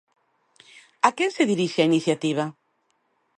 A quen se dirixe a iniciativa?